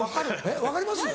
えっ「分かります」？